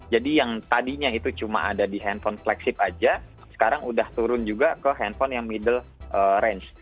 jadi yang tadinya itu cuma ada di handphone flagship aja sekarang udah turun juga ke handphone yang middle range